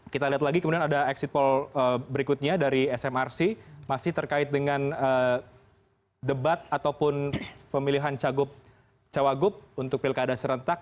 kita lihat lagi kemudian ada exit poll berikutnya dari smrc masih terkait dengan debat ataupun pemilihan cawagup untuk pilkada serentak